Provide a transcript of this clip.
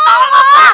satu dua tiga